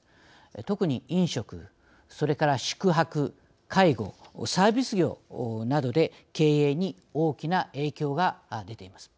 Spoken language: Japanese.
特に飲食それから宿泊介護サービス業などで経営に大きな影響が出ています。